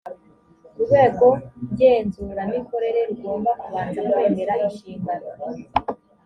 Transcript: urwego ngenzuramikorere rugomba kubanza kwemera inshingano